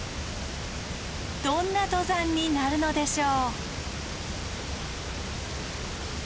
どんな登山になるのでしょう？